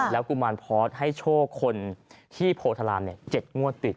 แล้วกุมารพอร์ตให้โชคคนที่โพธรรมเป็นเจ็ดงั่วติด